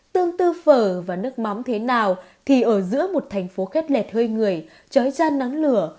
tương tự phở và nước mắm thế nào thì ở giữa một thành phố khét lẹt hơi người trói tra nắng lửa